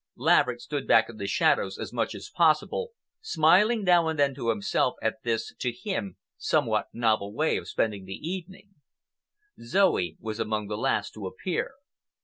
Laverick stood back in the shadows as much as possible, smiling now and then to himself at this, to him, somewhat novel way of spending the evening. Zoe was among the last to appear.